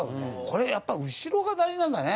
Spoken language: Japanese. これやっぱり後ろが大事なんだね。